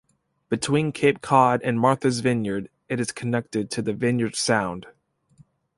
Between Cape Cod and Martha's Vineyard it is connected to the Vineyard Sound.